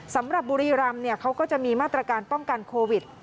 สำหรับบุรีรำเขาก็จะมีมาตรการป้องกันโควิด